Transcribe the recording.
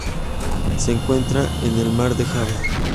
Se encuentra en el Mar de Java.